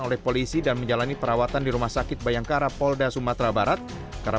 oleh polisi dan menjalani perawatan di rumah sakit bayangkara polda sumatera barat karena